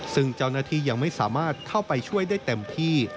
ซึ่งเจ้าหน้าที่ยังไม่สามารถเข้าไปช่วยได้เต็มที่